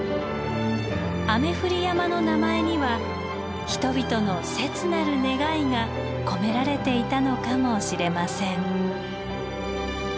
「雨降り山」の名前には人々の切なる願いが込められていたのかもしれません。